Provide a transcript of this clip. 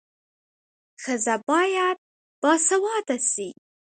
ښځه باید باسواده سي.